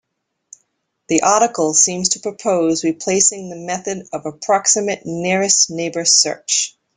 The article seems to propose replacing the method of approximate nearest neighbor search.